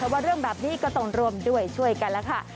แต่ว่าเรื่องแบบนี้ก็ต้องร่วมด้วยช่วยกันแล้วค่ะ